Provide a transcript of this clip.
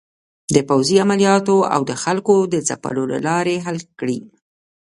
د پوځې عملیاتو او د خلکو د ځپلو له لارې حل کړي.